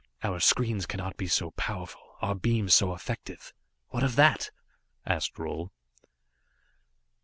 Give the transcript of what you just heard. Our screens cannot be so powerful, our beams so effective. What of that?" asked Roal.